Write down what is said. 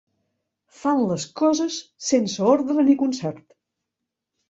Fan les coses sense ordre ni concert.